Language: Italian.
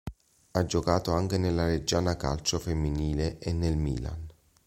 Ha giocato anche nella Reggiana Calcio Femminile e nel Milan.